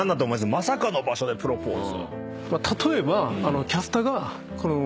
まさかの場所でプロポーズ。